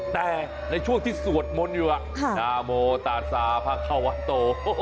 แต่ในช่วงที่สวดมนต์อยู่นาโมตาซาพระข้าววัดโต